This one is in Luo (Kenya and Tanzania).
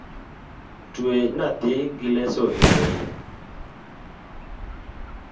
Twe nyathi gi leso eng'eyi.